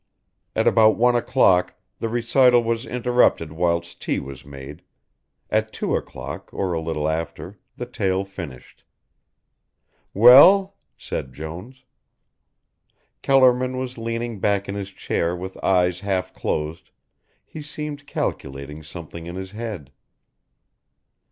At about one o'clock the recital was interrupted whilst tea was made, at two o'clock or a little after the tale finished. "Well?" said Jones. Kellerman was leaning back in his chair with eyes half closed, he seemed calculating something in his head.